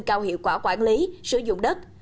có hiệu quả quản lý sử dụng đất